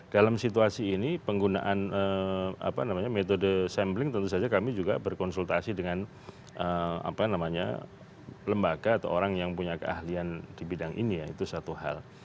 dalam situasi ini penggunaan metode sampling tentu saja kami juga berkonsultasi dengan lembaga atau orang yang punya keahlian di bidang ini ya itu satu hal